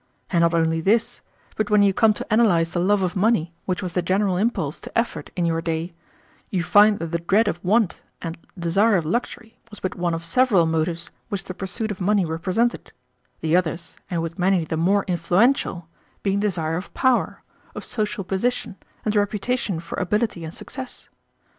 And not only this, but when you come to analyze the love of money which was the general impulse to effort in your day, you find that the dread of want and desire of luxury was but one of several motives which the pursuit of money represented; the others, and with many the more influential, being desire of power, of social position, and reputation for ability and success.